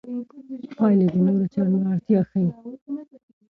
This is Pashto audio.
پایلې د نورو څېړنو اړتیا ښيي.